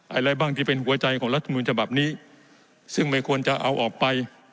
อะไรบ้างที่เป็นหัวใจของรัฐมนุนฉบับนี้ซึ่งไม่ควรจะเอาออกไป